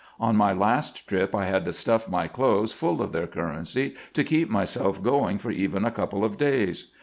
On my last trip I had to stuff my clothes full of their currency to keep myself going for even a couple of days.